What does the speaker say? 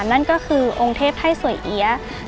นั่นก็คือองค์เทพไพ่สวยเอี๊ยะ